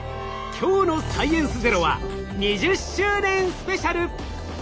今日の「サイエンスＺＥＲＯ」は２０周年ＳＰ！